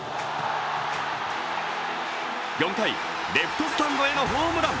４回、レフトスタンドへのホームラン。